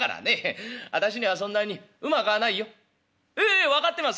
「ええ分かってます。